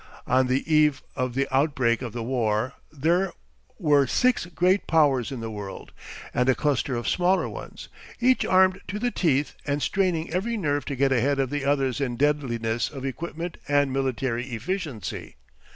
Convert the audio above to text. On the eve of the outbreak of the war there were six great powers in the world and a cluster of smaller ones, each armed to the teeth and straining every nerve to get ahead of the others in deadliness of equipment and military efficiency.